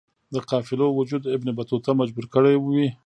د قافلو وجود ابن بطوطه مجبور کړی وی.